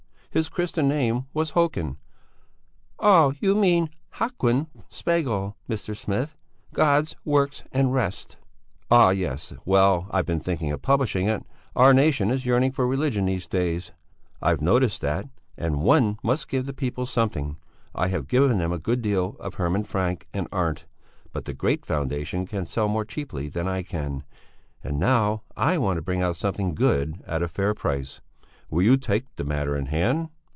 His Christian name was Hokan!" "You mean Haquin Spegel, Mr. Smith! 'God's Works and Rest.'" "Ah, yes! Well, I've been thinking of publishing it. Our nation is yearning for religion these days; I've noticed that; and one must give the people something. I have given them a good deal of Hermann Francke and Arndt, but the great Foundation can sell more cheaply than I can, and now I want to bring out something good at a fair price. Will you take the matter in hand?"